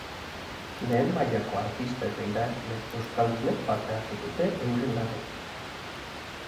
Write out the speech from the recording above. Lehen mailako artista eta idazle euskaldunek parte hartu dute euren lanekin.